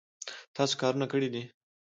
تاسو کارونه کړي دي